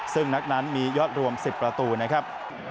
ซึ่งนัดนั้นมียอดรวม๑๐ประตูนะครับ